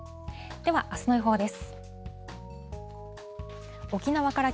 ではあすの予報です。